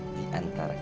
di antara kita